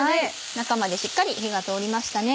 中までしっかり火が通りましたね。